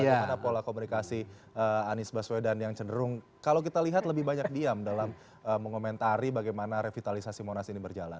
bagaimana pola komunikasi anies baswedan yang cenderung kalau kita lihat lebih banyak diam dalam mengomentari bagaimana revitalisasi monas ini berjalan